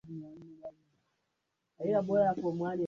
zile chembechembe za saratani zimeshaanza